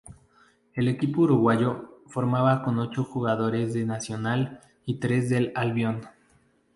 El equipo uruguayo formaba con ocho jugadores de Nacional y tres del Albion.